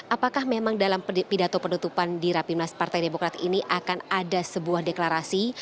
apakah memang dalam pidato penutupan di rapimnas partai demokrat ini akan ada sebuah deklarasi